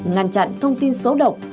ngăn chặn thông tin xấu độc